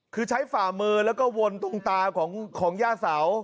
คือใช้ฝ่ามือแล้วก็วนตุ้งตาของย่าเสา